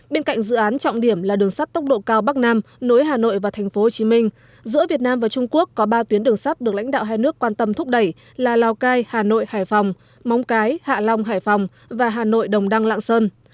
bên cạnh dự án trọng điểm là đường sắt tốc độ cao bắc nam nối hà nội và tp hcm giữa việt nam và trung quốc có ba tuyến đường sắt được lãnh đạo hai nước quan tâm thúc đẩy là lào cai hà nội hải phòng móng cái hạ long hải phòng và hà nội đồng đăng lạng sơn